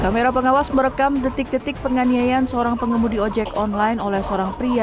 kamera pengawas merekam detik detik penganiayaan seorang pengemudi ojek online oleh seorang pria